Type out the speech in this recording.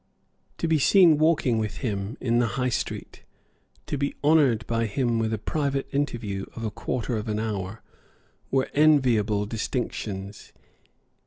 To be seen walking with him in the High Street, to be honoured by him with a private interview of a quarter of an hour, were enviable distinctions.